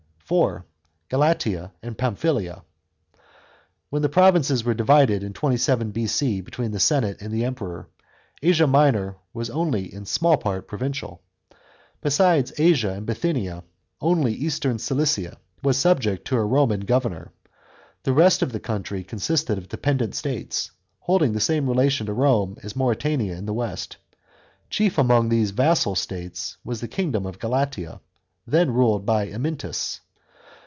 * §4. GALATIA AND PAMPHYLIA. — When the provinces were divided in 27 B.C. between the senate and the Emperor, Asia Minor was only in small part provincial. Besides Asia and Bithynia, only eastern Cilicia was subject to a Roman governor. The rest of the country consisted of dependent states, holding the same relation to Rome as Mauretania in the west. Chief amomj these "vassal" states was the kingdom of Galati*, then ruled by Amyntas.